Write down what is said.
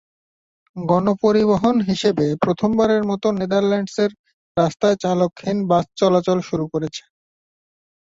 গণপরিবহন হিসেবে প্রথমবারের মতো নেদারল্যান্ডসের রাস্তায় চালকহীন বাস চলাচল শুরু করেছে।